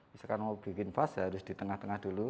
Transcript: misalkan mau bikin pas harus di tengah tengah dulu